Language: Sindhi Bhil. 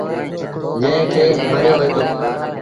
جݩهݩ کي پڙهيو وهيٚتو۔